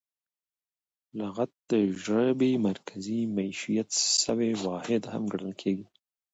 لغت د ژبي مرکزي مېشت سوی واحد هم ګڼل کیږي.